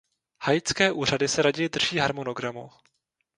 Haitské úřady se raději drží harmonogramu.